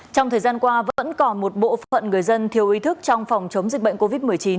trong thời gian qua vẫn còn một bộ phận người dân thiếu ý thức trong phòng chống dịch bệnh covid một mươi chín